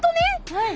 はい。